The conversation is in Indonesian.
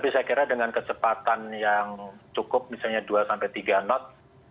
saya kira dengan kecepatan yang cukup misalnya dua sampai tiga knot